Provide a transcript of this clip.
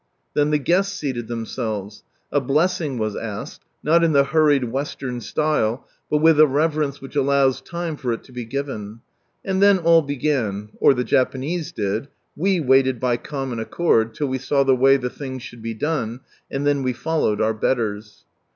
Then the guests seated themselves. A blessing was asked, — not in the hurried Western style, but with a reverence which allows time for it to be given ; and then all began—or the Japanese did, kv waited by common accord, till we saw the way ' the thing should be done, and then we followed our betters.